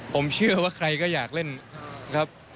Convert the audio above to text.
ผมเชื่อว่าใครก็อยากเล่นครับ